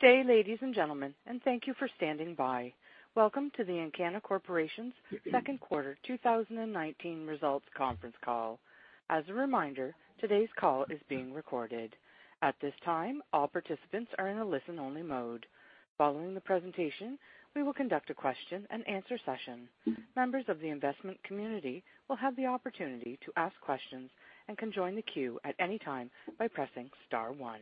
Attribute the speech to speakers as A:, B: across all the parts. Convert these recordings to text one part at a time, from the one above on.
A: Good day, ladies and gentlemen, and thank you for standing by. Welcome to the Encana Corporation's second quarter 2019 results conference call. As a reminder, today's call is being recorded. At this time, all participants are in a listen-only mode. Following the presentation, we will conduct a question and answer session. Members of the investment community will have the opportunity to ask questions and can join the queue at any time by pressing star one.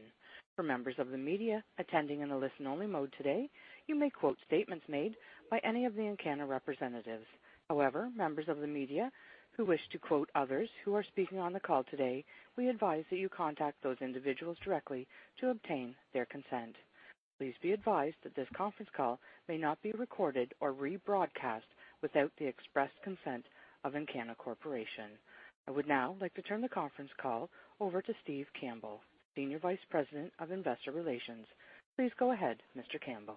A: For members of the media attending in a listen-only mode today, you may quote statements made by any of the Encana representatives. Members of the media who wish to quote others who are speaking on the call today, we advise that you contact those individuals directly to obtain their consent. Please be advised that this conference call may not be recorded or rebroadcast without the express consent of Encana Corporation. I would now like to turn the conference call over to Steve Campbell, Senior Vice President of Investor Relations. Please go ahead, Mr. Campbell.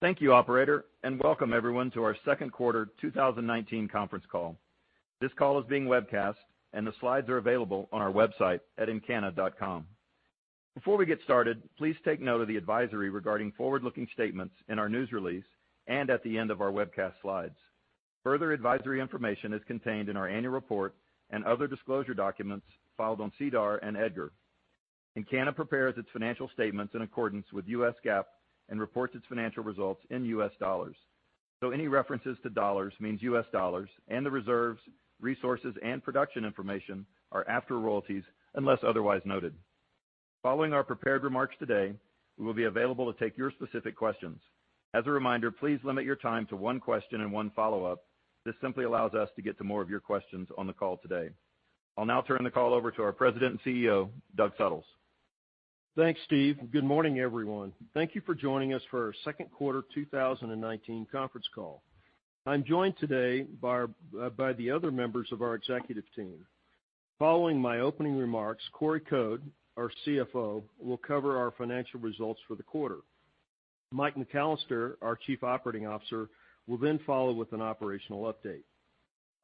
B: Thank you, operator, and welcome everyone to our second quarter 2019 conference call. This call is being webcast, and the slides are available on our website at encana.com. Before we get started, please take note of the advisory regarding forward-looking statements in our news release, and at the end of our webcast slides. Further advisory information is contained in our annual report and other disclosure documents filed on SEDAR and EDGAR. Encana prepares its financial statements in accordance with US GAAP and reports its financial results in US dollars. Any references to dollars means US dollars, and the reserves, resources, and production information are after royalties, unless otherwise noted. Following our prepared remarks today, we will be available to take your specific questions. As a reminder, please limit your time to one question and one follow-up. This simply allows us to get to more of your questions on the call today. I'll now turn the call over to our President and CEO, Doug Suttles.
C: Thanks, Steve. Good morning, everyone. Thank you for joining us for our second quarter 2019 conference call. I'm joined today by the other members of our executive team. Following my opening remarks, Corey Code, our CFO, will cover our financial results for the quarter. Mike McAllister, our Chief Operating Officer, will follow with an operational update.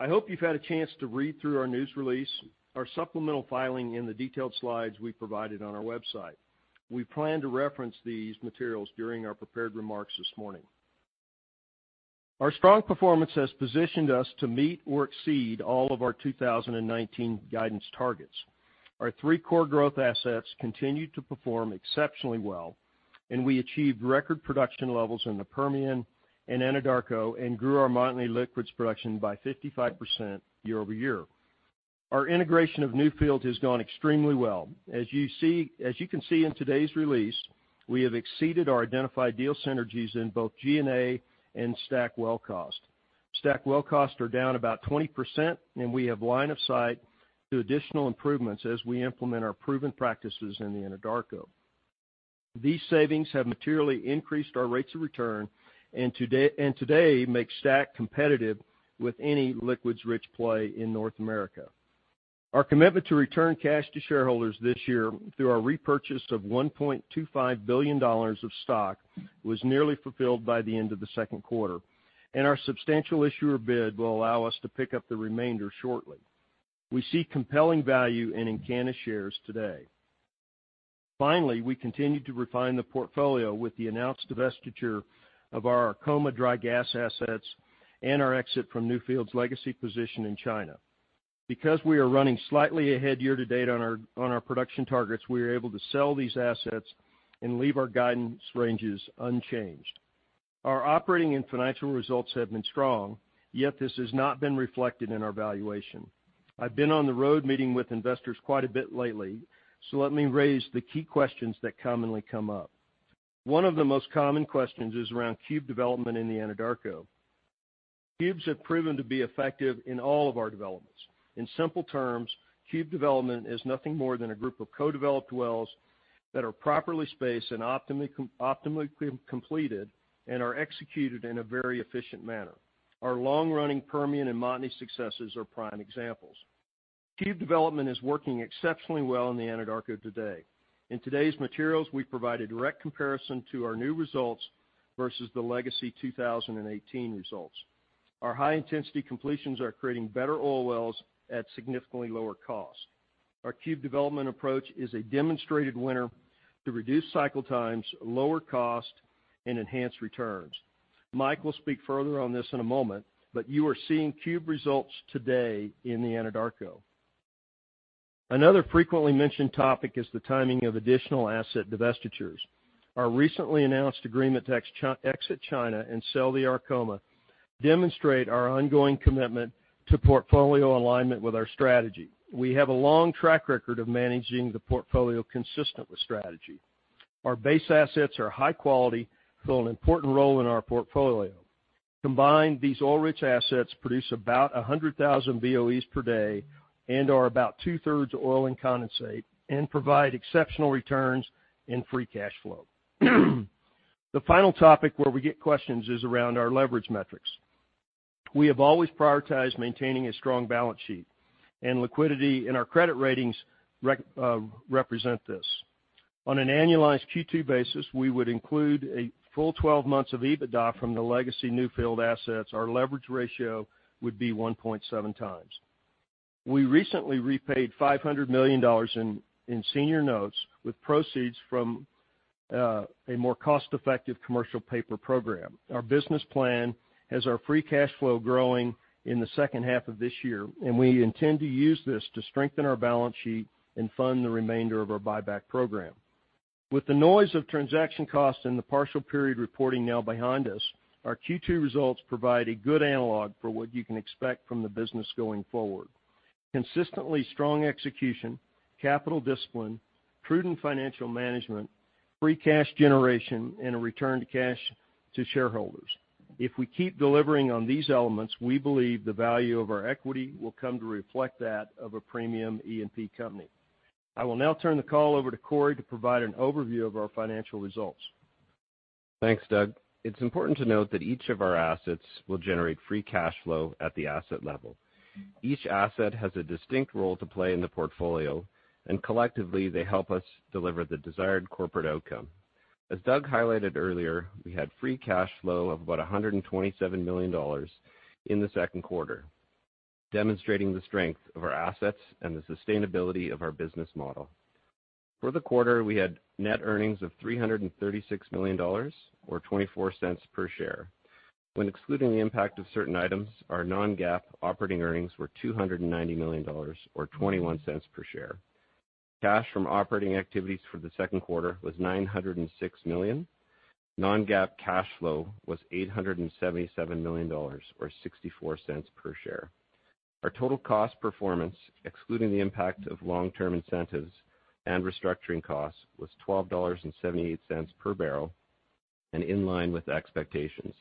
C: I hope you've had a chance to read through our news release, our supplemental filing, and the detailed slides we provided on our website. We plan to reference these materials during our prepared remarks this morning. Our strong performance has positioned us to meet or exceed all of our 2019 guidance targets. Our three core growth assets continued to perform exceptionally well, and we achieved record production levels in the Permian and Anadarko, and grew our Montney liquids production by 55% year-over-year. Our integration of Newfield has gone extremely well. As you can see in today's release, we have exceeded our identified deal synergies in both G&A and STACK well cost. STACK well costs are down about 20%. We have line of sight to additional improvements as we implement our proven practices in the Anadarko. These savings have materially increased our rates of return. Today make STACK competitive with any liquids-rich play in North America. Our commitment to return cash to shareholders this year through our repurchase of $1.25 billion of stock was nearly fulfilled by the end of the second quarter. Our substantial issuer bid will allow us to pick up the remainder shortly. We see compelling value in Encana shares today. Finally, we continue to refine the portfolio with the announced divestiture of our Arkoma dry gas assets and our exit from Newfield's legacy position in China. Because we are running slightly ahead year-to-date on our production targets, we are able to sell these assets and leave our guidance ranges unchanged. Our operating and financial results have been strong, yet this has not been reflected in our valuation. I've been on the road meeting with investors quite a bit lately, so let me raise the key questions that commonly come up. One of the most common questions is around cube development in the Anadarko. Cubes have proven to be effective in all of our developments. In simple terms, cube development is nothing more than a group of co-developed wells that are properly spaced and optimally completed and are executed in a very efficient manner. Our long-running Permian and Montney successes are prime examples. Cube development is working exceptionally well in the Anadarko today. In today's materials, we provide a direct comparison to our new results versus the legacy 2018 results. Our high-intensity completions are creating better oil wells at significantly lower cost. Our cube development approach is a demonstrated winner to reduce cycle times, lower cost, and enhance returns. Mike will speak further on this in a moment, but you are seeing cube results today in the Anadarko. Another frequently mentioned topic is the timing of additional asset divestitures. Our recently announced agreement to exit China and sell the Arkoma demonstrate our ongoing commitment to portfolio alignment with our strategy. We have a long track record of managing the portfolio consistent with strategy. Our base assets are high quality, fill an important role in our portfolio. Combined, these oil-rich assets produce about 100,000 BOEs per day and are about two-thirds oil and condensate and provide exceptional returns and free cash flow. The final topic where we get questions is around our leverage metrics. We have always prioritized maintaining a strong balance sheet and liquidity, and our credit ratings represent this. On an annualized Q2 basis, we would include a full 12 months of EBITDA from the legacy Newfield assets. Our leverage ratio would be 1.7 times. We recently repaid $500 million in senior notes with proceeds from a more cost-effective commercial paper program. Our business plan has our free cash flow growing in the second half of this year, and we intend to use this to strengthen our balance sheet and fund the remainder of our buyback program. With the noise of transaction costs and the partial period reporting now behind us, our Q2 results provide a good analog for what you can expect from the business going forward. Consistently strong execution, capital discipline, prudent financial management, free cash generation, and a return to cash to shareholders. If we keep delivering on these elements, we believe the value of our equity will come to reflect that of a premium E&P company. I will now turn the call over to Corey to provide an overview of our financial results.
D: Thanks, Doug. It's important to note that each of our assets will generate free cash flow at the asset level. Each asset has a distinct role to play in the portfolio, and collectively, they help us deliver the desired corporate outcome. As Doug highlighted earlier, we had free cash flow of about $127 million in the second quarter, demonstrating the strength of our assets and the sustainability of our business model. For the quarter, we had net earnings of $336 million, or $0.24 per share. When excluding the impact of certain items, our non-GAAP operating earnings were $290 million or $0.21 per share. Cash from operating activities for the second quarter was $906 million. Non-GAAP cash flow was $877 million or $0.64 per share. Our total cost performance, excluding the impact of long-term incentives and restructuring costs, was $12.78 per barrel and in line with expectations.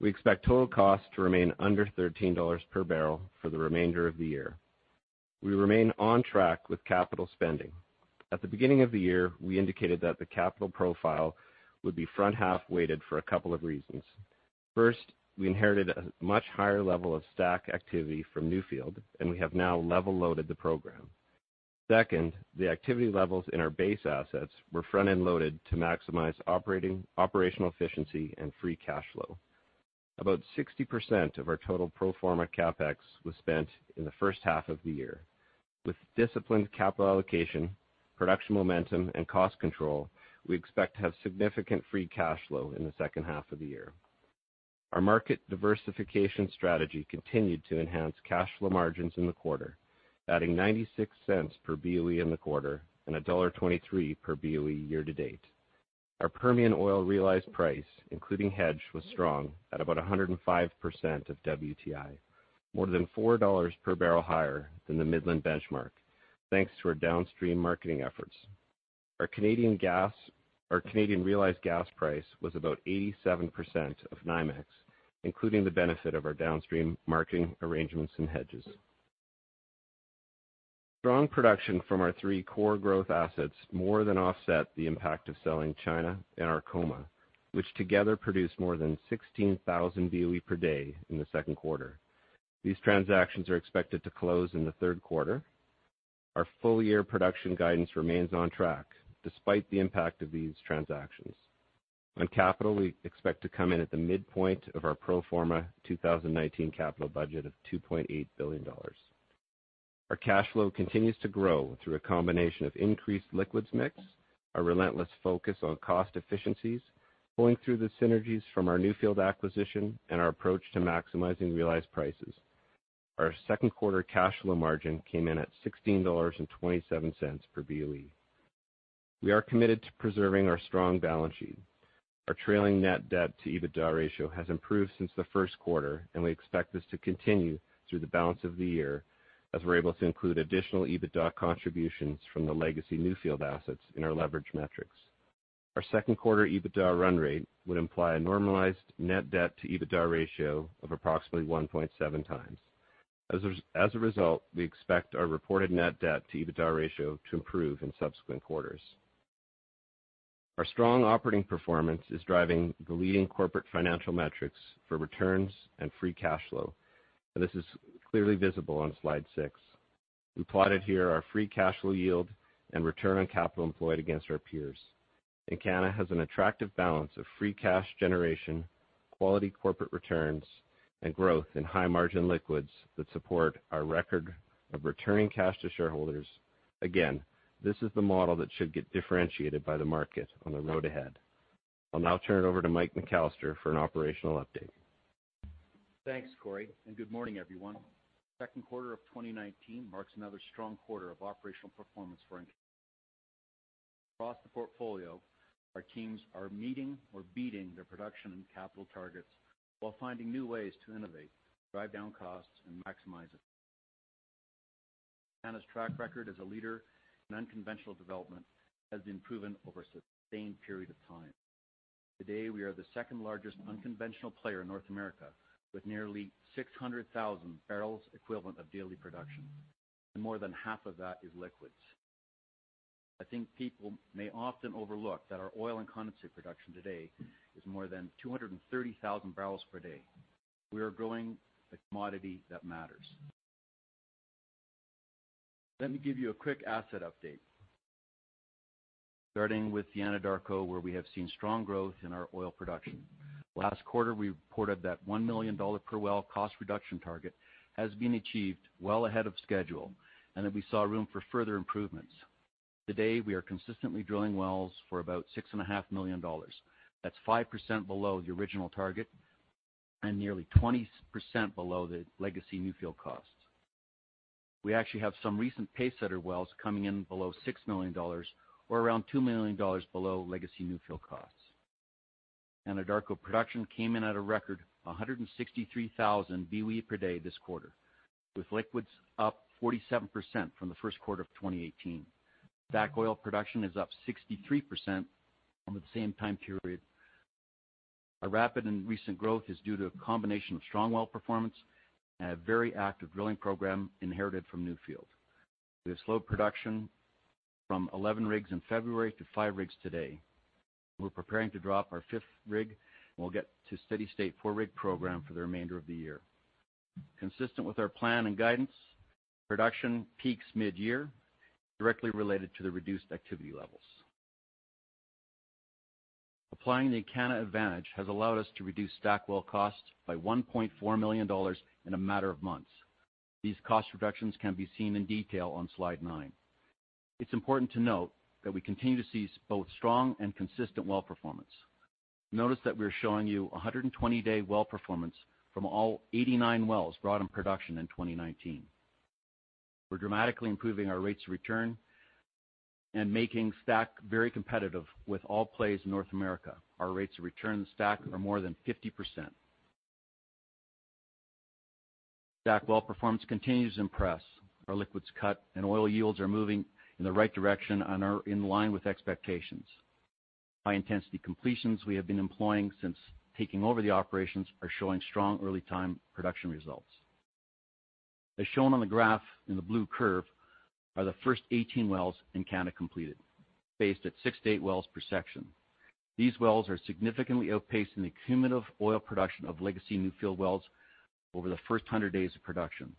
D: We expect total costs to remain under $13 per barrel for the remainder of the year. We remain on track with capital spending. At the beginning of the year, we indicated that the capital profile would be front-half weighted for a couple of reasons. First, we inherited a much higher level of stack activity from Newfield, and we have now level-loaded the program. Second, the activity levels in our base assets were front-end loaded to maximize operational efficiency and free cash flow. About 60% of our total pro forma CapEx was spent in the first half of the year. With disciplined capital allocation, production momentum, and cost control, we expect to have significant free cash flow in the second half of the year. Our market diversification strategy continued to enhance cash flow margins in the quarter, adding $0.96 per BOE in the quarter and $1.23 per BOE year to date. Our Permian Oil realized price, including hedge, was strong at about 105% of WTI, more than $4 per barrel higher than the Midland benchmark, thanks to our downstream marketing efforts. Our Canadian realized gas price was about 87% of NYMEX, including the benefit of our downstream marketing arrangements and hedges. Strong production from our three core growth assets more than offset the impact of selling China and our Arkoma, which together produced more than 16,000 BOE per day in the second quarter. These transactions are expected to close in the third quarter. Our full-year production guidance remains on track, despite the impact of these transactions. On capital, we expect to come in at the midpoint of our pro forma 2019 capital budget of $2.8 billion. Our cash flow continues to grow through a combination of increased liquids mix, our relentless focus on cost efficiencies, pulling through the synergies from our Newfield acquisition, and our approach to maximizing realized prices. Our second quarter cash flow margin came in at $16.27 per BOE. We are committed to preserving our strong balance sheet. Our trailing net debt to EBITDA ratio has improved since the first quarter, and we expect this to continue through the balance of the year, as we're able to include additional EBITDA contributions from the legacy Newfield assets in our leverage metrics. Our second quarter EBITDA run rate would imply a normalized net debt to EBITDA ratio of approximately 1.7 times. As a result, we expect our reported net debt to EBITDA ratio to improve in subsequent quarters. Our strong operating performance is driving the leading corporate financial metrics for returns and free cash flow, and this is clearly visible on slide six. We plotted here our free cash flow yield and return on capital employed against our peers. Encana has an attractive balance of free cash generation, quality corporate returns, and growth in high-margin liquids that support our record of returning cash to shareholders. Again, this is the model that should get differentiated by the market on the road ahead. I'll now turn it over to Mike McAllister for an operational update.
E: Thanks, Corey, and good morning, everyone. Second quarter of 2019 marks another strong quarter of operational performance for Encana. Across the portfolio, our teams are meeting or beating their production and capital targets while finding new ways to innovate, drive down costs, and maximize efficiency. Encana's track record as a leader in unconventional development has been proven over a sustained period of time. Today, we are the second-largest unconventional player in North America with nearly 600,000 barrels equivalent of daily production, and more than half of that is liquids. I think people may often overlook that our oil and condensate production today is more than 230,000 barrels per day. We are growing a commodity that matters. Let me give you a quick asset update. Starting with the Anadarko, where we have seen strong growth in our oil production. Last quarter, we reported that $1 million per well cost reduction target has been achieved well ahead of schedule, and that we saw room for further improvements. Today, we are consistently drilling wells for about $6.5 million. That's 5% below the original target and nearly 20% below the legacy Newfield costs. We actually have some recent pace setter wells coming in below $6 million or around $2 million below legacy Newfield costs. Anadarko production came in at a record 163,000 BOE per day this quarter, with liquids up 47% from the first quarter of 2018. STACK oil production is up 63% over the same time period. A rapid and recent growth is due to a combination of strong well performance and a very active drilling program inherited from Newfield. We have slowed production from 11 rigs in February to five rigs today. We're preparing to drop our fifth rig, and we'll get to steady state four-rig program for the remainder of the year. Consistent with our plan and guidance, production peaks mid-year, directly related to the reduced activity levels. Applying the Encana advantage has allowed us to reduce STACK well costs by $1.4 million in a matter of months. These cost reductions can be seen in detail on slide nine. It's important to note that we continue to see both strong and consistent well performance. Notice that we're showing you 120-day well performance from all 89 wells brought in production in 2019. We're dramatically improving our rates of return and making STACK very competitive with all plays in North America. Our rates of return in STACK are more than 50%. STACK well performance continues to impress. Our liquids cut and oil yields are moving in the right direction and are in line with expectations. High-intensity completions we have been employing since taking over the operations are showing strong early time production results. As shown on the graph in the blue curve are the first 18 wells Encana completed, spaced at 6-8 wells per section. These wells are significantly outpacing the cumulative oil production of legacy Newfield wells over the first 100 days of production.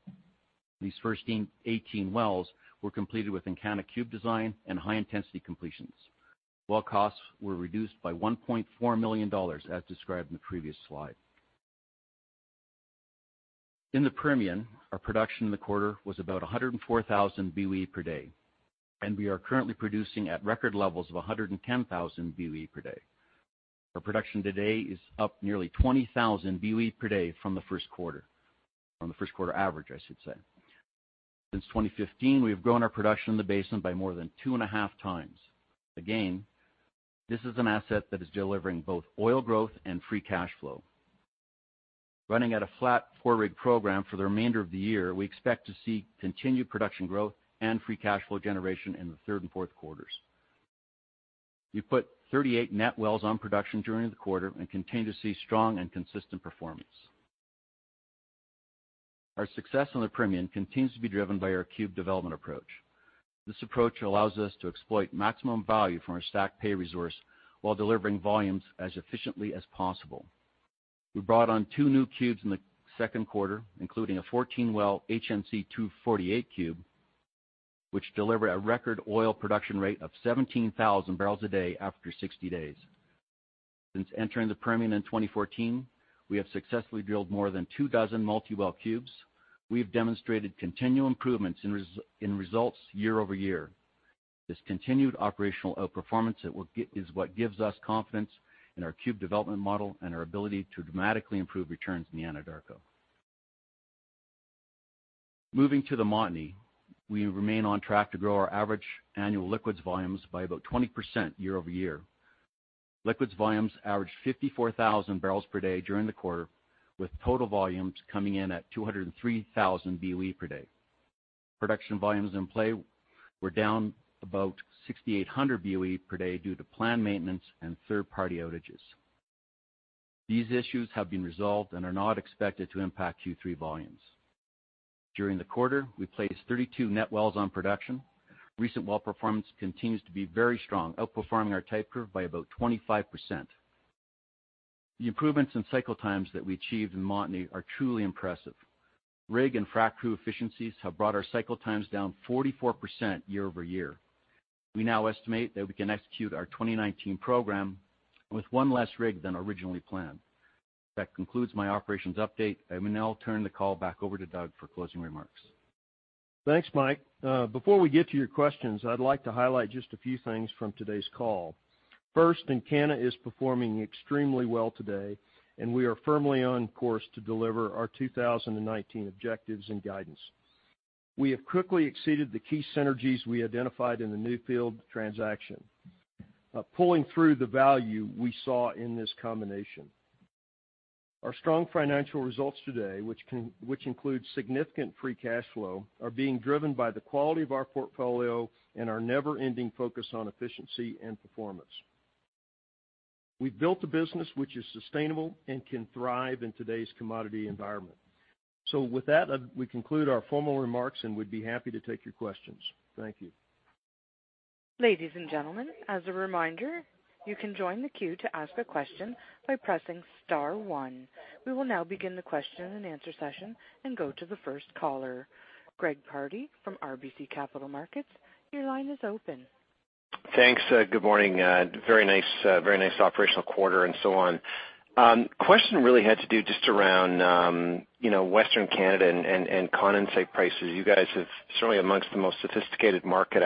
E: These first 18 wells were completed with Encana cube design and high-intensity completions. Well costs were reduced by $1.4 million, as described in the previous slide. In the Permian, our production in the quarter was about 104,000 BOE per day, and we are currently producing at record levels of 110,000 BOE per day. Our production today is up nearly 20,000 BOE per day from the first quarter. On the first quarter average, I should say. Since 2015, we have grown our production in the basin by more than two and a half times. This is an asset that is delivering both oil growth and free cash flow. Running at a flat four-rig program for the remainder of the year, we expect to see continued production growth and free cash flow generation in the third and fourth quarters. We put 38 net wells on production during the quarter and continue to see strong and consistent performance. Our success in the Permian continues to be driven by our cube development approach. This approach allows us to exploit maximum value from our stacked pay resource while delivering volumes as efficiently as possible. We brought on two new cubes in the second quarter, including a 14-well HMC 248 cube, which delivered a record oil production rate of 17,000 barrels a day after 60 days. Since entering the Permian in 2014, we have successfully drilled more than two dozen multi-well cubes. We have demonstrated continual improvements in results year-over-year. This continued operational outperformance is what gives us confidence in our cube development model and our ability to dramatically improve returns in the Anadarko. Moving to the Montney, we remain on track to grow our average annual liquids volumes by about 20% year-over-year. Liquids volumes averaged 54,000 barrels per day during the quarter, with total volumes coming in at 203,000 BOE per day. Production volumes in play were down about 6,800 BOE per day due to planned maintenance and third-party outages. These issues have been resolved and are not expected to impact Q3 volumes. During the quarter, we placed 32 net wells on production. Recent well performance continues to be very strong, outperforming our type curve by about 25%. The improvements in cycle times that we achieved in Montney are truly impressive. Rig and frac crew efficiencies have brought our cycle times down 44% year-over-year. We now estimate that we can execute our 2019 program with one less rig than originally planned. That concludes my operations update. I will now turn the call back over to Doug for closing remarks.
C: Thanks, Mike. Before we get to your questions, I'd like to highlight just a few things from today's call. First, Encana is performing extremely well today, and we are firmly on course to deliver our 2019 objectives and guidance. We have quickly exceeded the key synergies we identified in the Newfield transaction, pulling through the value we saw in this combination. Our strong financial results today, which include significant free cash flow, are being driven by the quality of our portfolio and our never-ending focus on efficiency and performance. We've built a business which is sustainable and can thrive in today's commodity environment. With that, we conclude our formal remarks, and we'd be happy to take your questions. Thank you.
A: Ladies and gentlemen, as a reminder, you can join the queue to ask a question by pressing star one. We will now begin the question and answer session and go to the first caller. Greg Pardy from RBC Capital Markets, your line is open.
F: Thanks. Good morning. Very nice operational quarter and so on. Question really had to do just around Western Canada and condensate prices. You guys have certainly amongst the most sophisticated market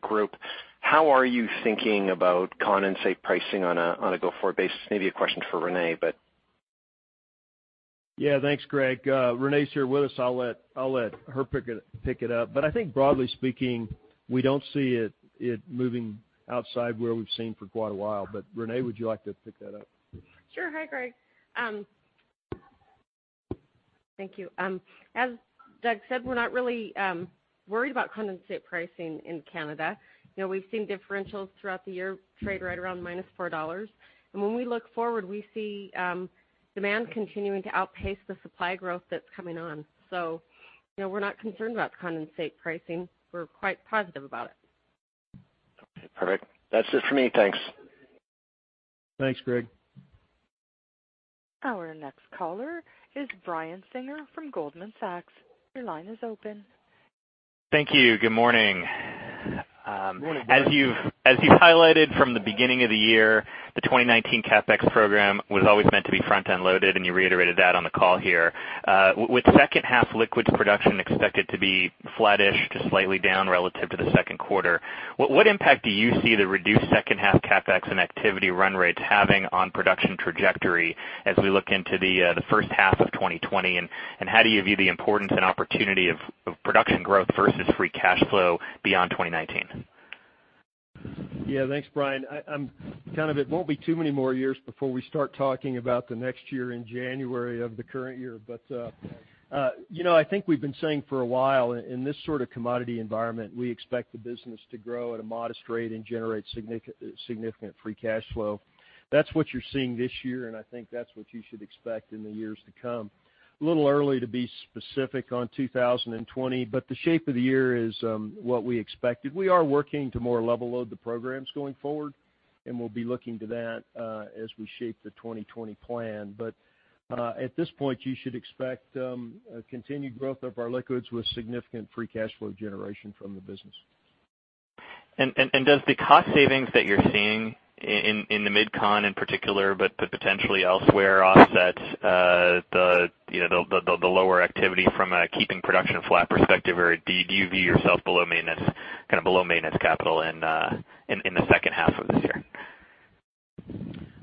F: group. How are you thinking about condensate pricing on a go-forward basis? Maybe a question for Renee.
C: Yeah. Thanks, Greg. Renee's here with us. I think broadly speaking, we don't see it moving outside where we've seen for quite a while. Renee, would you like to pick that up?
G: Sure. Hi, Greg. Thank you. As Doug said, we're not really worried about condensate pricing in Canada. We've seen differentials throughout the year trade right around -$4. When we look forward, we see demand continuing to outpace the supply growth that's coming on. We're not concerned about condensate pricing. We're quite positive about it.
F: Okay, perfect. That's it for me. Thanks.
C: Thanks, Greg.
A: Our next caller is Brian Singer from Goldman Sachs. Your line is open.
H: Thank you. Good morning.
C: Good morning, Brian.
H: As you've highlighted from the beginning of the year, the 2019 CapEx program was always meant to be front-end loaded, and you reiterated that on the call here. With second half liquids production expected to be flattish to slightly down relative to the second quarter, what impact do you see the reduced second half CapEx and activity run rates having on production trajectory as we look into the first half of 2020, and how do you view the importance and opportunity of production growth versus free cash flow beyond 2019?
C: Yeah. Thanks, Brian. It won't be too many more years before we start talking about the next year in January of the current year. I think we've been saying for a while, in this sort of commodity environment, we expect the business to grow at a modest rate and generate significant free cash flow. That's what you're seeing this year, and I think that's what you should expect in the years to come. A little early to be specific on 2020, the shape of the year is what we expected. We are working to more level load the programs going forward, and we'll be looking to that as we shape the 2020 plan. At this point, you should expect a continued growth of our liquids with significant free cash flow generation from the business.
H: Does the cost savings that you're seeing in the Mid-Con in particular, but potentially elsewhere, offset the lower activity from a keeping production flat perspective, or do you view yourself below maintenance capital in the second half of this year?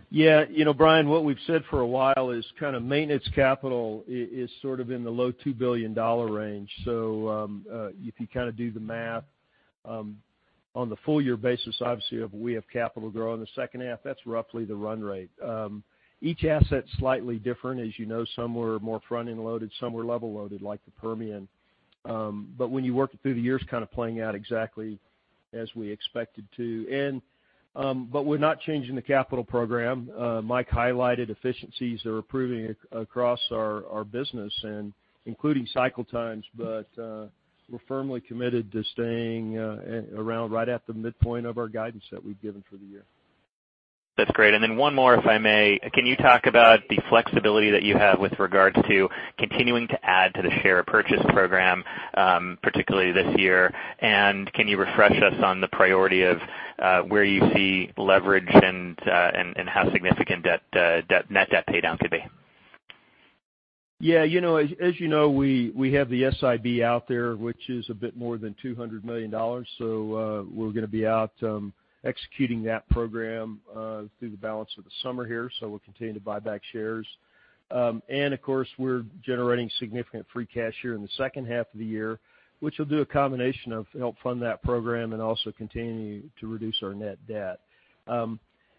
C: Yeah. Brian, what we've said for a while is maintenance capital is in the low $2 billion range. If you do the math on the full year basis, obviously we have capital growth in the second half. That's roughly the run rate. Each asset's slightly different. As you know, some were more front-end loaded, some were level loaded like the Permian. When you work it through the years, playing out exactly as we expected to. We're not changing the capital program. Mike highlighted efficiencies are improving across our business, including cycle times. We're firmly committed to staying around right at the midpoint of our guidance that we've given for the year.
H: That's great. One more, if I may. Can you talk about the flexibility that you have with regards to continuing to add to the share purchase program particularly this year, and can you refresh us on the priority of where you see leverage and how significant net debt pay down could be?
C: Yeah. As you know, we have the SIB out there, which is a bit more than $200 million. We're going to be out executing that program through the balance of the summer here, so we'll continue to buy back shares. Of course, we're generating significant free cash here in the second half of the year, which will do a combination of help fund that program and also continue to reduce our net debt.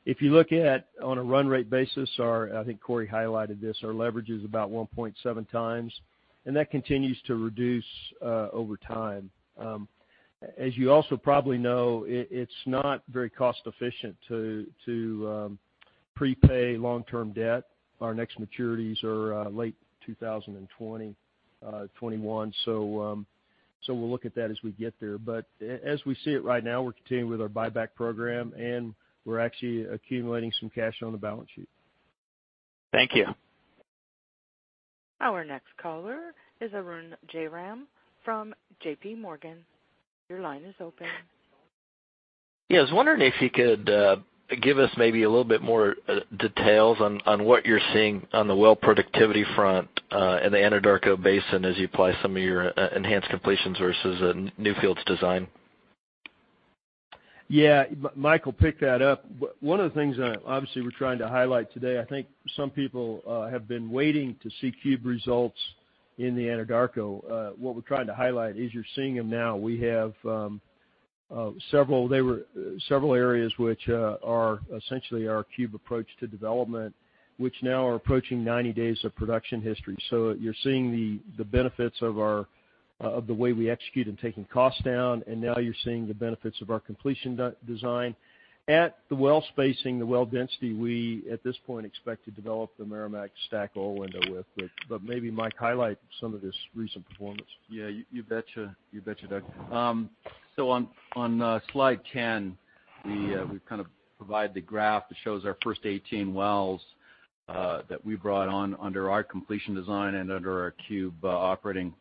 C: If you look at, on a run rate basis, I think Corey highlighted this, our leverage is about 1.7 times, and that continues to reduce over time. As you also probably know, it's not very cost efficient to prepay long-term debt. Our next maturities are late 2020, 2021, so we'll look at that as we get there. As we see it right now, we're continuing with our buyback program, and we're actually accumulating some cash on the balance sheet.
H: Thank you.
A: Our next caller is Arun Jayaram from J.P. Morgan. Your line is open.
I: Yeah, I was wondering if you could give us maybe a little bit more details on what you're seeing on the well productivity front in the Anadarko Basin as you apply some of your enhanced completions versus newfields design?
C: Yeah. Mike will pick that up. One of the things obviously we're trying to highlight today, I think some people have been waiting to see cube results in the Anadarko. What we're trying to highlight, as you're seeing them now, we have several areas which are essentially our cube approach to development, which now are approaching 90 days of production history. You're seeing the benefits of the way we execute and taking costs down, and now you're seeing the benefits of our completion design. At the well spacing, the well density, we at this point expect to develop the Meramec stack oil window with. Maybe Mike, highlight some of this recent performance.
E: Yeah, you betcha, Doug. On slide 10, we provide the graph that shows our first 18 wells That we brought on under our completion design and under our cube operating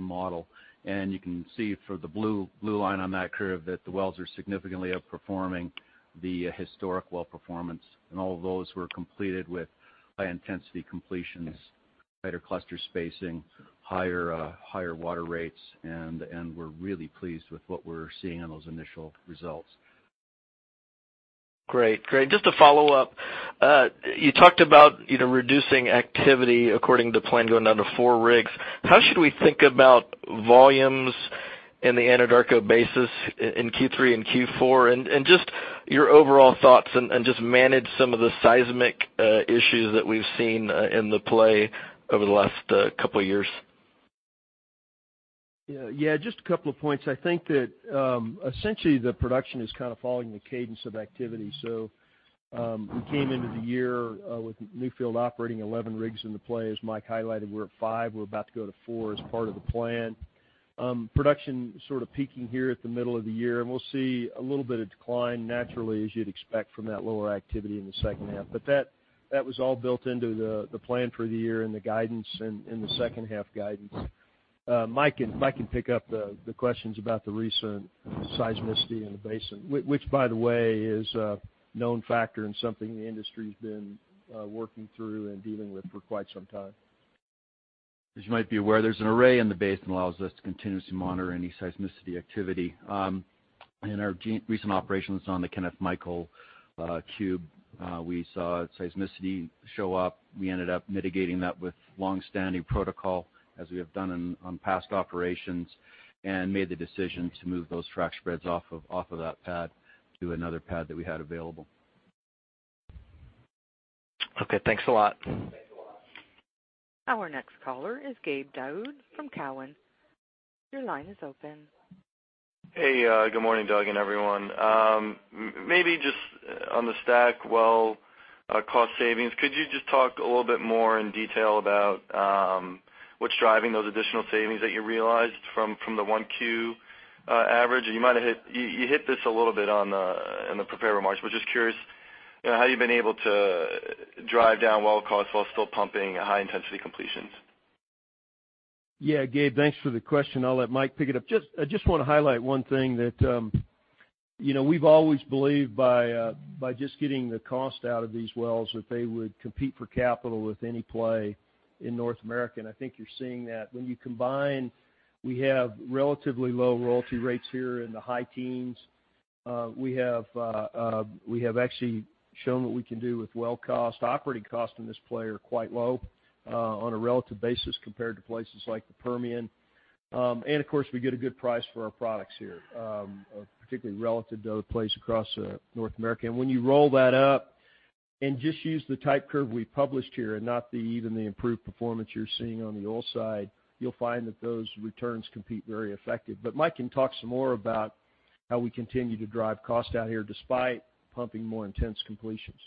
E: model. You can see for the blue line on that curve that the wells are significantly outperforming the historic well performance. All of those were completed with high-intensity completions, tighter cluster spacing, higher water rates, and we're really pleased with what we're seeing in those initial results.
I: Great. Just to follow up. You talked about reducing activity according to plan, going down to four rigs. How should we think about volumes in the Anadarko Basin in Q3 and Q4? Just your overall thoughts and just manage some of the seismic issues that we've seen in the play over the last couple of years.
C: Yeah, just a couple of points. I think that essentially the production is following the cadence of activity. We came into the year with Newfield operating 11 rigs in the play. As Mike highlighted, we're at five, we're about to go to four as part of the plan. Production sort of peaking here at the middle of the year, and we'll see a little bit of decline naturally as you'd expect from that lower activity in the second half. That was all built into the plan for the year and the guidance and the second half guidance. Mike can pick up the questions about the recent seismicity in the basin. Which, by the way, is a known factor and something the industry's been working through and dealing with for quite some time.
E: As you might be aware, there's an array in the basin that allows us to continuously monitor any seismicity activity. In our recent operations on the Kenneth Michael cube, we saw seismicity show up. We ended up mitigating that with longstanding protocol, as we have done on past operations, and made the decision to move those frac spreads off of that pad to another pad that we had available.
I: Okay. Thanks a lot.
A: Our next caller is Gabe Daoud from Cowen. Your line is open.
J: Hey, good morning, Doug, and everyone. Maybe just on the STACK well cost savings, could you just talk a little bit more in detail about what's driving those additional savings that you realized from the 1Q average? You hit this a little bit in the prepared remarks. Just curious how you've been able to drive down well costs while still pumping high-intensity completions.
C: Yeah, Gabe, thanks for the question. I'll let Mike pick it up. I just want to highlight one thing that we've always believed by just getting the cost out of these wells, that they would compete for capital with any play in North America, and I think you're seeing that. When you combine, we have relatively low royalty rates here in the high teens. We have actually shown what we can do with well cost. Operating costs in this play are quite low on a relative basis compared to places like the Permian. Of course, we get a good price for our products here, particularly relative to other plays across North America. When you roll that up and just use the type curve we published here and not even the improved performance you're seeing on the oil side, you'll find that those returns compete very effective. Mike can talk some more about how we continue to drive costs down here despite pumping more intense completions.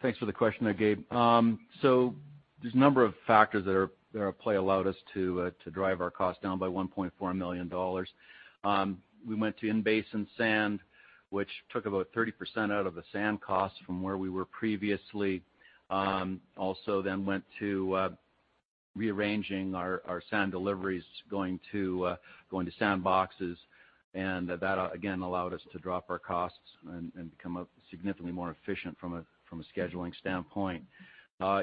E: Thanks for the question there, Gabe. There's a number of factors that are at play allowed us to drive our cost down by $1.4 million. We went to in-basin sand, which took about 30% out of the sand cost from where we were previously. Went to rearranging our sand deliveries going to sand boxes, and that again allowed us to drop our costs and become significantly more efficient from a scheduling standpoint.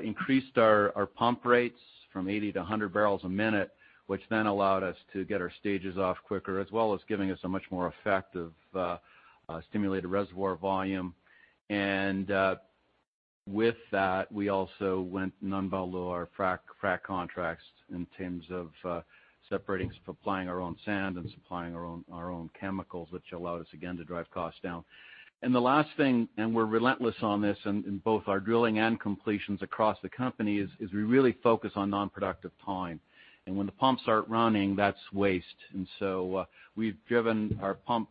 E: Increased our pump rates from 80 to 100 barrels a minute, which then allowed us to get our stages off quicker, as well as giving us a much more effective stimulated reservoir volume. With that, we also went unbundled low our frac contracts in terms of separating supplying our own sand and supplying our own chemicals, which allowed us again to drive costs down. The last thing, and we're relentless on this in both our drilling and completions across the company, is we really focus on non-productive time. When the pumps aren't running, that's waste. We've driven our pump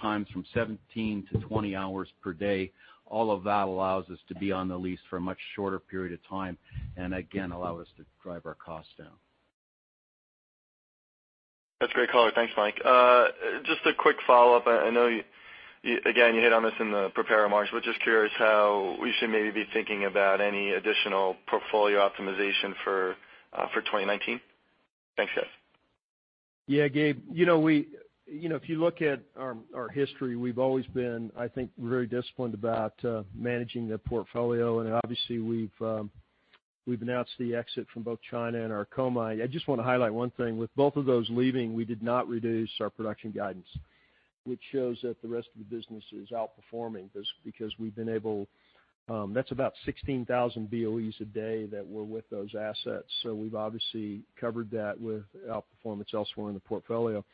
E: times from 17 to 20 hours per day. All of that allows us to be on the lease for a much shorter period of time, and again, allow us to drive our costs down.
J: That's a great color. Thanks, Mike. Just a quick follow-up. I know, again, you hit on this in the prepared remarks, but just curious how we should maybe be thinking about any additional portfolio optimization for 2019. Thanks, guys.
C: Gabe. If you look at our history, we've always been, I think, very disciplined about managing the portfolio, obviously we've announced the exit from both China and Arkoma. I just want to highlight one thing. With both of those leaving, we did not reduce our production guidance, which shows that the rest of the business is outperforming. That's about 16,000 BOEs a day that were with those assets. We've obviously covered that with outperformance elsewhere in the portfolio.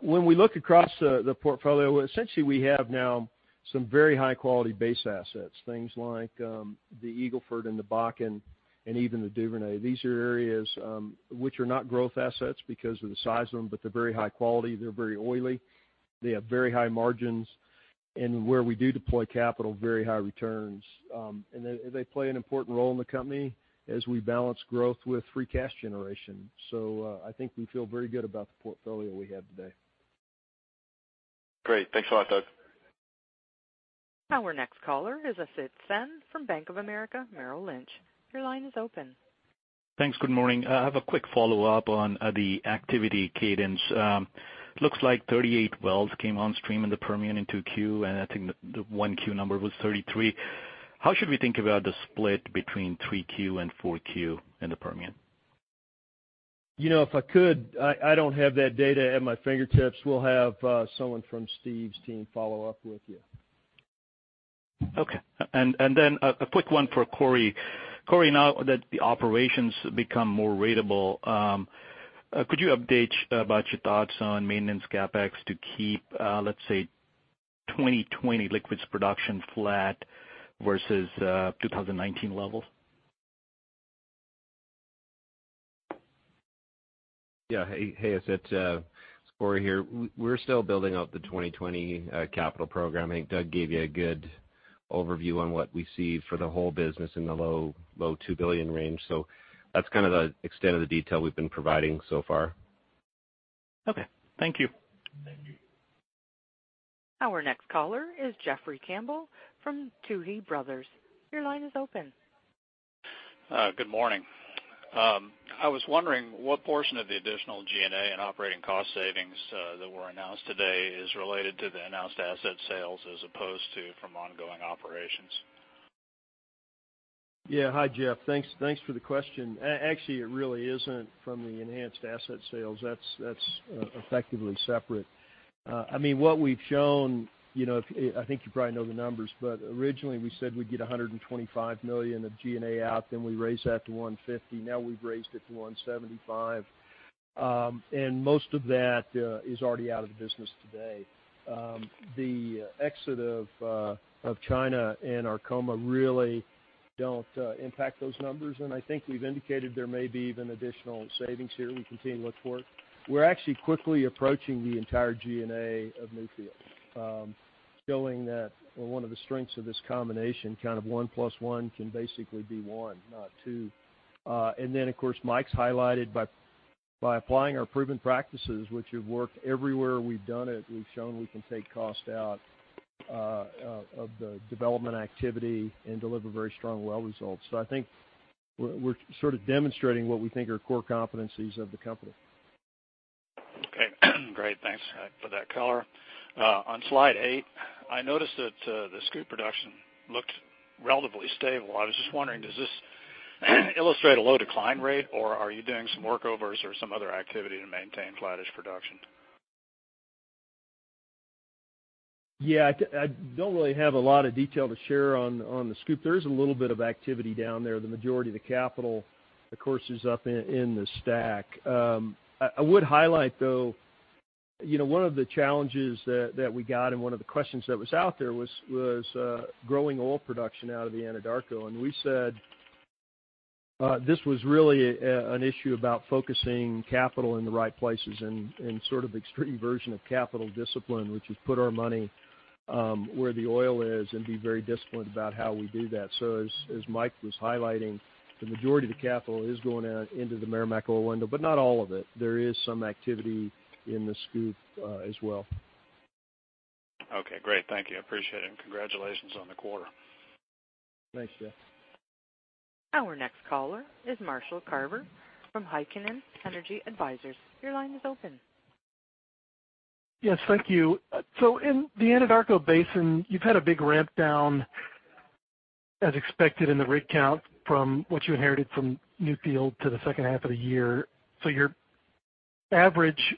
C: When we look across the portfolio, essentially we have now some very high-quality base assets, things like the Eagle Ford and the Bakken and even the Duvernay. These are areas which are not growth assets because of the size of them, they're very high quality, they're very oily. They have very high margins. Where we do deploy capital, very high returns. They play an important role in the company as we balance growth with free cash generation. I think we feel very good about the portfolio we have today.
J: Great. Thanks a lot, Doug.
A: Our next caller is Asit Sen from Bank of America Merrill Lynch. Your line is open.
K: Thanks. Good morning. I have a quick follow-up on the activity cadence. Looks like 38 wells came on stream in the Permian in 2Q, and I think the 1Q number was 33. How should we think about the split between 3Q and 4Q in the Permian?
C: If I could, I don't have that data at my fingertips. We'll have someone from Steve's team follow up with you.
K: Okay. A quick one for Corey. Corey, now that the operations become more ratable, could you update about your thoughts on maintenance CapEx to keep, let's say, 2020 liquids production flat versus 2019 levels?
D: Yeah. Hey, Asit. It's Corey here. We're still building out the 2020 capital program. I think Doug gave you a good overview on what we see for the whole business in the low $2 billion range. That's the extent of the detail we've been providing so far.
K: Okay. Thank you.
D: Thank you.
A: Our next caller is Jeffrey Campbell from Tuohy Brothers. Your line is open.
L: Good morning. I was wondering what portion of the additional G&A and operating cost savings that were announced today is related to the announced asset sales as opposed to from ongoing operations?
C: Yeah. Hi, Jeff. Thanks for the question. Actually, it really isn't from the enhanced asset sales. That's effectively separate. What we've shown, I think you probably know the numbers, Originally we said we'd get $125 million of G&A out, then we raised that to $150. Now we've raised it to $175. Most of that is already out of the business today. The exit of China and Arkoma really don't impact those numbers, I think we've indicated there may be even additional savings here we continue to look for. We're actually quickly approaching the entire G&A of Newfield, showing that one of the strengths of this combination, kind of one plus one can basically be one, not two. Of course, Mike's highlighted by applying our proven practices, which have worked everywhere we've done it, we've shown we can take cost out of the development activity and deliver very strong well results. I think we're demonstrating what we think are core competencies of the company.
L: Okay, great. Thanks for that color. On slide eight, I noticed that the Scoop production looked relatively stable. I was just wondering, does this illustrate a low decline rate, or are you doing some workovers or some other activity to maintain flattish production?
C: I don't really have a lot of detail to share on the Scoop. There is a little bit of activity down there. The majority of the capital, of course, is up in the STACK. I would highlight, though, one of the challenges that we got and one of the questions that was out there was growing oil production out of the Anadarko, and we said this was really an issue about focusing capital in the right places and sort of extreme version of capital discipline, which is put our money where the oil is and be very disciplined about how we do that. As Mike was highlighting, the majority of the capital is going into the Meramec oil window, but not all of it. There is some activity in the Scoop as well.
L: Okay, great. Thank you. I appreciate it, and congratulations on the quarter.
C: Thanks, Jeff.
A: Our next caller is Marshall Carver from Heikkinen Energy Advisors. Your line is open.
M: Yes, thank you. In the Anadarko Basin, you've had a big ramp down as expected in the rig count from what you inherited from Newfield to the second half of the year. Your average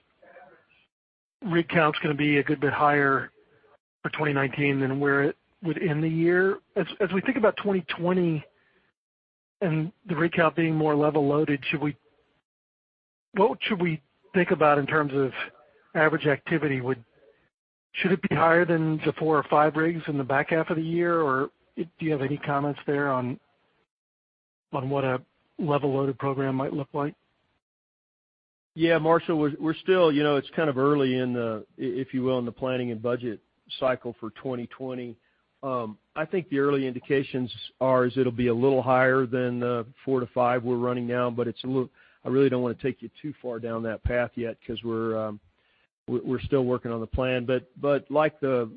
M: rig count's going to be a good bit higher for 2019 than where it would end the year. As we think about 2020 and the rig count being more level loaded, what should we think about in terms of average activity? Should it be higher than the four or five rigs in the back half of the year, or do you have any comments there on what a level loaded program might look like?
C: Yeah, Marshall, it's kind of early in the, if you will, in the planning and budget cycle for 2020. I think the early indications are is it'll be a little higher than the four to five we're running now, I really don't want to take you too far down that path yet because we're still working on the plan. Like the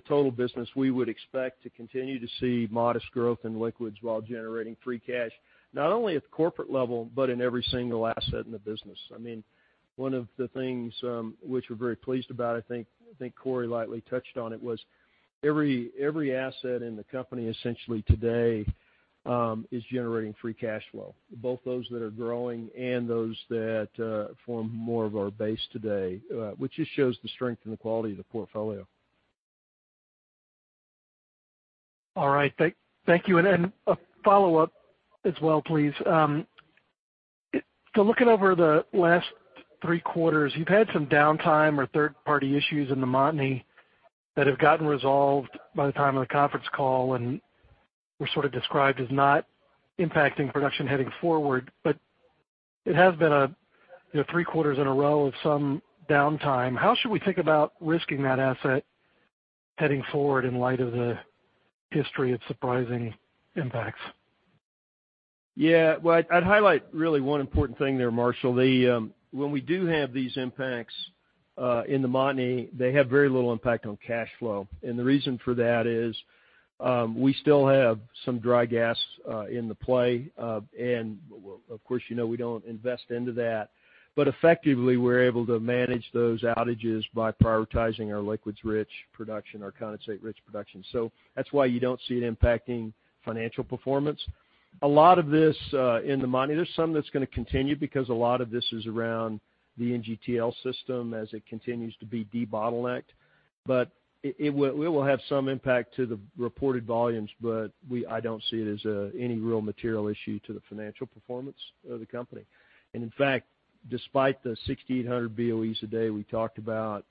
C: total business, we would expect to continue to see modest growth in liquids while generating free cash, not only at the corporate level, but in every single asset in the business. One of the things which we're very pleased about, I think Corey lightly touched on it, was every asset in the company essentially today is generating free cash flow, both those that are growing and those that form more of our base today, which just shows the strength and the quality of the portfolio.
M: All right. Thank you. A follow-up as well, please. Looking over the last three quarters, you've had some downtime or third-party issues in the Montney that have gotten resolved by the time of the conference call, and were sort of described as not impacting production heading forward, but it has been three quarters in a row of some downtime. How should we think about risking that asset heading forward in light of the history of surprising impacts?
C: Well, I'd highlight really one important thing there, Marshall. When we do have these impacts in the Montney, they have very little impact on cash flow. The reason for that is we still have some dry gas in the play. Of course, you know we don't invest into that. Effectively, we're able to manage those outages by prioritizing our liquids rich production, our condensate rich production. That's why you don't see it impacting financial performance. A lot of this in the Montney, there's some that's going to continue because a lot of this is around the NGTL system as it continues to be debottlenecked. It will have some impact to the reported volumes, but I don't see it as any real material issue to the financial performance of the company. In fact, despite the 6,800 BOEs a day we talked about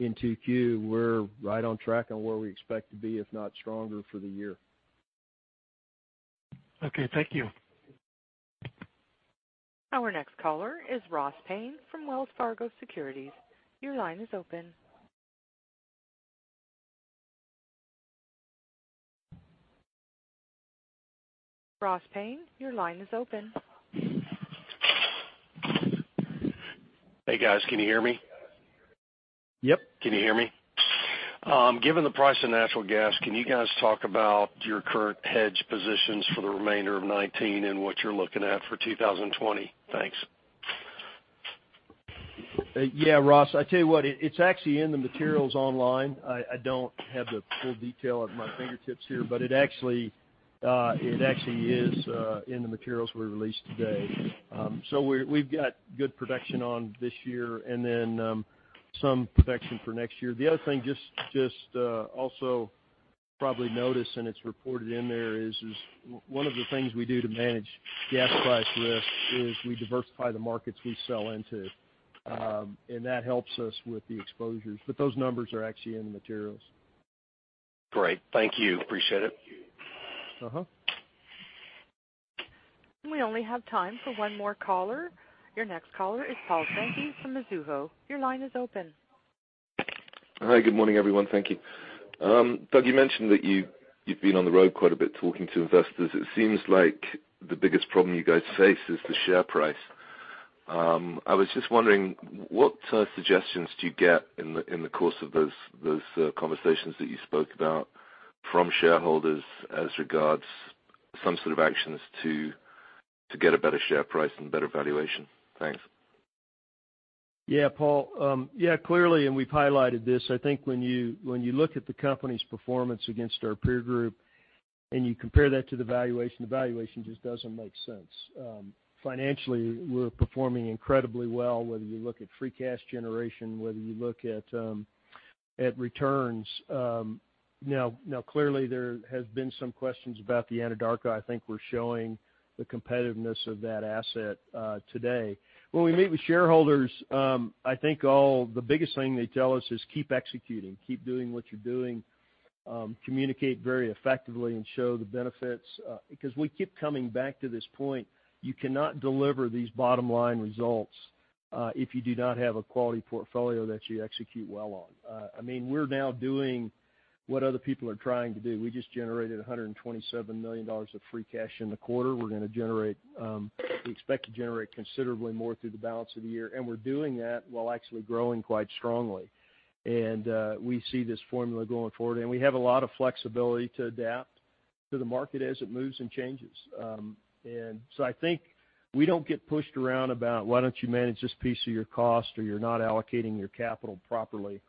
C: in 2Q, we're right on track on where we expect to be, if not stronger for the year.
M: Okay, thank you.
A: Our next caller is Ross Payne from Wells Fargo Securities. Your line is open. Ross Payne, your line is open.
N: Hey, guys, can you hear me?
C: Yep.
N: Can you hear me? Given the price of natural gas, can you guys talk about your current hedge positions for the remainder of 2019 and what you're looking at for 2020? Thanks.
C: Yeah, Ross, I tell you what, it's actually in the materials online. I don't have the full detail at my fingertips here, but it actually is in the materials we released today. We've got good protection on this year and then some protection for next year. The other thing, just also probably notice, and it's reported in there, is one of the things we do to manage gas price risk is we diversify the markets we sell into, and that helps us with the exposures. Those numbers are actually in the materials.
N: Great. Thank you. Appreciate it.
A: We only have time for one more caller. Your next caller is Paul Sankey from Mizuho. Your line is open.
O: Hi, good morning, everyone. Thank you. Doug, you mentioned that you've been on the road quite a bit talking to investors. It seems like the biggest problem you guys face is the share price. I was just wondering what suggestions do you get in the course of those conversations that you spoke about from shareholders as regards some sort of actions to get a better share price and better valuation? Thanks.
C: Yeah, Paul. Clearly, and we've highlighted this, I think when you look at the company's performance against our peer group and you compare that to the valuation, the valuation just doesn't make sense. Financially, we're performing incredibly well, whether you look at free cash generation, whether you look at returns. Now, clearly, there have been some questions about the Anadarko. I think we're showing the competitiveness of that asset today. When we meet with shareholders, I think the biggest thing they tell us is keep executing, keep doing what you're doing, communicate very effectively, and show the benefits. We keep coming back to this point, you cannot deliver these bottom-line results if you do not have a quality portfolio that you execute well on. We're now doing what other people are trying to do. We just generated $127 million of free cash in the quarter. We expect to generate considerably more through the balance of the year, we're doing that while actually growing quite strongly. We see this formula going forward, we have a lot of flexibility to adapt to the market as it moves and changes. So I think we don't get pushed around about why don't you manage this piece of your cost or you're not allocating your capital properly.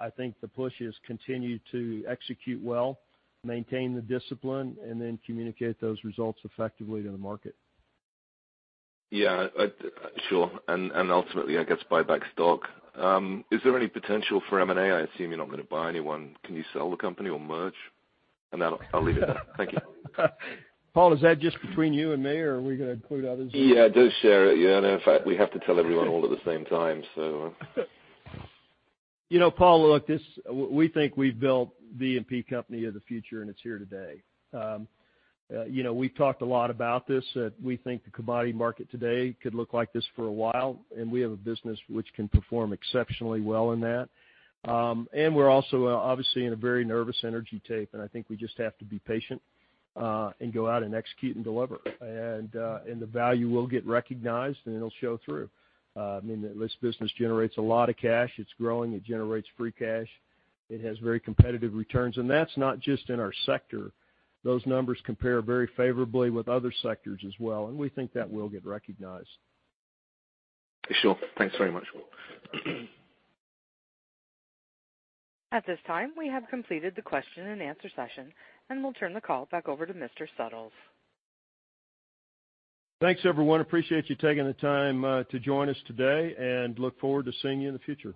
C: I think the push is continue to execute well, maintain the discipline, and then communicate those results effectively to the market.
O: Ultimately, I guess, buy back stock. Is there any potential for M&A? I assume you're not going to buy anyone. Can you sell the company or merge? I'll leave it there. Thank you.
C: Paul, is that just between you and me or are we going to include others?
O: Yeah, do share it. Yeah, no, in fact, we have to tell everyone all at the same time.
C: Paul, look, we think we've built the E&P company of the future, and it's here today. We've talked a lot about this, that we think the commodity market today could look like this for a while, and we have a business which can perform exceptionally well in that. We're also, obviously, in a very nervous energy tape, and I think we just have to be patient and go out and execute and deliver. The value will get recognized, and it'll show through. This business generates a lot of cash. It's growing. It generates free cash. It has very competitive returns. That's not just in our sector. Those numbers compare very favorably with other sectors as well, and we think that will get recognized.
O: Sure. Thanks very much.
A: At this time, we have completed the question and answer session, and we'll turn the call back over to Mr. Suttles.
C: Thanks, everyone. Appreciate you taking the time to join us today, and look forward to seeing you in the future.